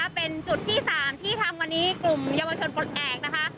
แต่เป็นจุดที่สามที่ทางกว่านี้กลุ่มเยาวชนอบอัตแอร์นะคะ